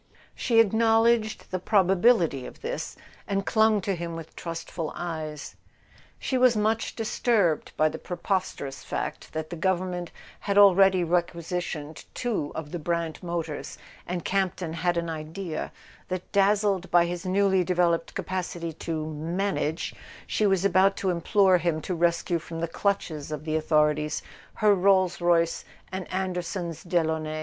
She acknowledged the probability of this, and clung to him with trustful eyes. She was much disturbed by the preposterous fact that the Government had already requisitioned two of the Brant motors, and Campton had an idea that, dazzled by his newly de¬ veloped capacity to "manage," she was about to im¬ plore him to rescue from the clutches of the authorities her Rolls Royce and Anderson's Delaunay.